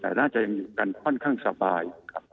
แต่น่าจะยังอยู่กันค่อนข้างสบายครับ